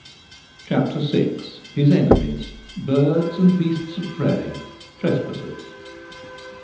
CHAPTER VI. HIS ENEMIES— BIRDS AND BEASTS OF PREY — TRESPASSERS.